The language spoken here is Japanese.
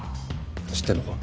知ってるのか？